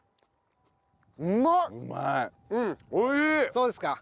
そうですか。